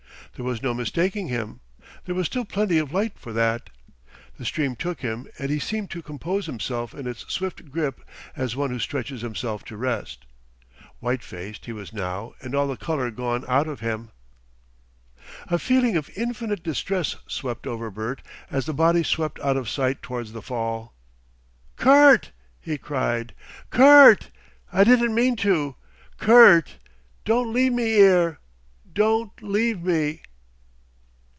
There was no mistaking him. There was still plenty of light for that. The stream took him and he seemed to compose himself in its swift grip as one who stretches himself to rest. White faced he was now, and all the colour gone out of him. A feeling of infinite distress swept over Bert as the body swept out of sight towards the fall. "Kurt!" he cried, "Kurt! I didn't mean to! Kurt! don' leave me 'ere! Don' leave me!"